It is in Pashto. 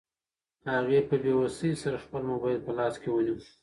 هغې په بې وسۍ سره خپل موبایل په لاس کې ونیو.